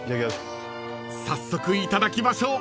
［早速いただきましょう］